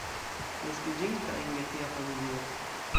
Naskiĝinta en metia familio.